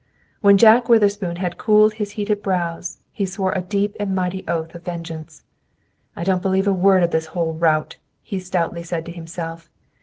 When Jack Witherspoon had cooled his heated brows, he swore a deep and mighty oath of vengeance. "I don't believe a word of this whole rot," he stoutly said to himself.